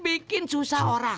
bikin susah orang